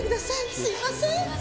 すいません